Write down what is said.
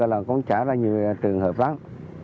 là cũng trả ra nhiều trường hợp lắm